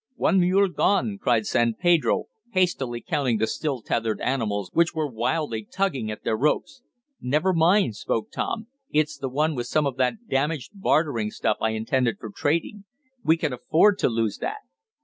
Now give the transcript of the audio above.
"One mule gone!" cried San Pedro, hastily counting the still tethered animals which were wildly tugging at their ropes. "Never mind," spoke Tom, "it's the one with some of that damaged bartering stuff I intended for trading. We can afford to lose that.